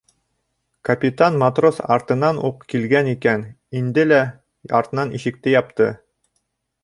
Капитан матрос артынан уҡ килгән икән, инде лә артынан ишекте япты.